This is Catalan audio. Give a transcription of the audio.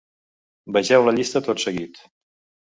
Vegeu la llista tot seguit.